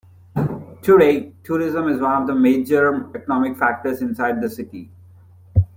Today, tourism is one of the major economic factors inside the city.